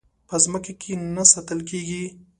په ځمکه کې نه ساتل کېږي.